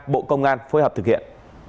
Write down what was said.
bộ công an phối hợp thực hiện